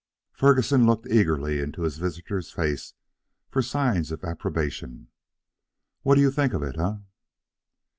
Ferguson looked eagerly into his visitor's face for signs of approbation. "What do you think of it, eh?"